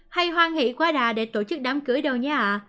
hay hoan hỷ quá đà để tổ chức đám cưới đâu nhé ạ